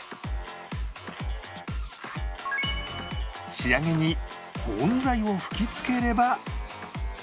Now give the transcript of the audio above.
仕上げに保温材を吹きつければ